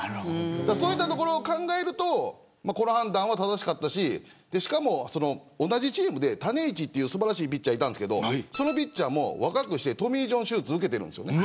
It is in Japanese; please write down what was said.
そういったところを考えるとこの判断は正しかったししかも同じチームで種市という素晴らしいピッチャーがいたんですがそのピッチャーも若くしてトミー・ジョン手術を受けています。